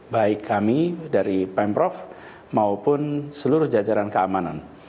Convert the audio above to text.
baik kami dari pemprov maupun seluruh jajaran keamanan